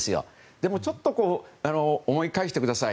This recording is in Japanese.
でも、ちょっと思い返してください。